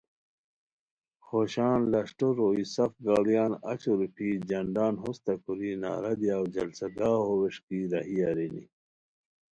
خوشان لشٹو روئے سف گاڑیان اچو روپھی جھنڈان ہوستہ کوری نعرہ دیاؤ جلسہ گاہو وݰکی راہی ارینی